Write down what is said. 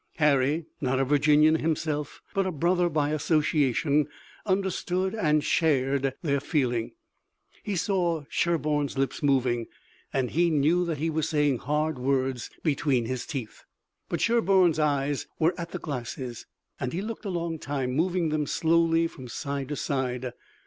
Harry, not a Virginian himself, but a brother by association, understood and shared their feeling. He saw Sherburne's lips moving and he knew that he was saying hard words between his teeth. But Sherburne's eyes were at the glasses, and he looked a long time, moving them slowly from side to side.